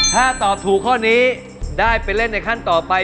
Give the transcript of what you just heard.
ถ้าตอบถูกข้อนี้ได้ไปเล่นในขั้นต่อไป